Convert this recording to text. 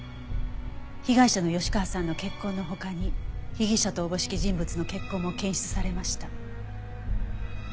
被害者の吉川さんの血痕の他に被疑者とおぼしき人物の血痕も検出されました。